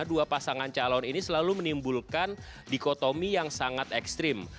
dua pasangan calon ini selalu menimbulkan dikotomi yang sangat ekstrim